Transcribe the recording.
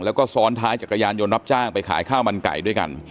แล้วก็ซ้อนท้ายจักรยานยนต์รับจ้างไปขายข้าวมันไก่ด้วยกัน